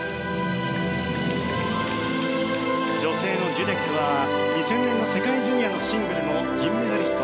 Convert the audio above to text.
女性のデュデクは２０００年の世界ジュニアのシングルの銀メダリスト。